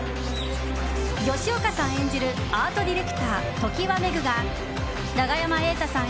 吉岡さん演じるアートディレクター常盤廻が永山瑛太さん